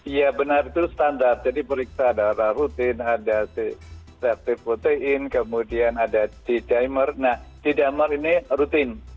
ya benar itu standar jadi periksa darah rutin ada t potein kemudian ada t dimer nah t dimer ini rutin